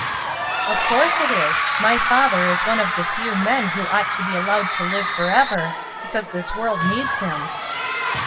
"Of course it is. My father is one of the few men who ought to be allowed to Uve forever, because this world needs him."